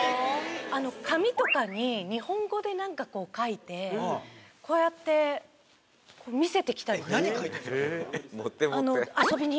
あの紙とかに日本語で何かこう書いてこうやって見せてきたりモテモテえっ！？